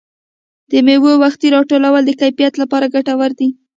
د مېوو وختي راټولول د کیفیت لپاره ګټور دي.